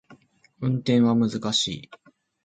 運転は難しい